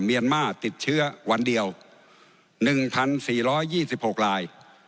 เมียนมาร์ติดเชื้อวันเดียว๑๔๒๖ราย